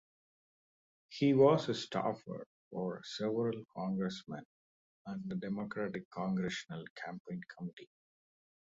He was a staffer for several congressmen and the Democratic Congressional Campaign Committee.